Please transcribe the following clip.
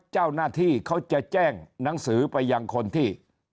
เจ้าหน้าที่เขาจะแจ้งหนังสือไปยังคนที่